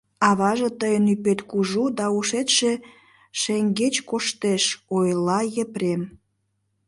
— Аваже, тыйын ӱпет кужу, да ушетше шеҥгеч коштеш, — ойла Епрем.